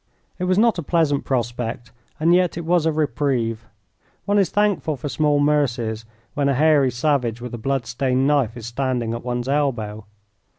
It was not a pleasant prospect, and yet it was a reprieve. One is thankful for small mercies when a hairy savage with a blood stained knife is standing at one's elbow.